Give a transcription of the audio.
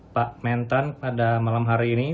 pak mentan pada malam hari ini